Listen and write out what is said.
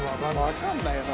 わかんないよな。